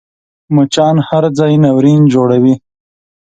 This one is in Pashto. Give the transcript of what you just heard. مچان هر ځای ناورین جوړوي